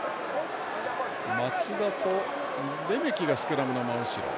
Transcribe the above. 松田とレメキがスクラムの真後ろ。